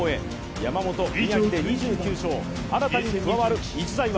山本、宮城で２９勝、新たに加わる逸材は。